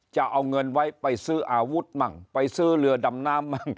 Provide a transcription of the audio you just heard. จะเอาเงินไว้ไปซื้ออาวุธมั่งไปซื้อเรือดำน้ำมั่ง